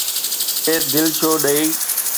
ڪنهن کي دل ڇو ڏئي؟